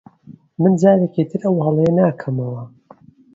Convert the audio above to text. من جارێکی تر ئەو هەڵەیە ناکەمەوە.